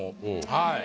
はい。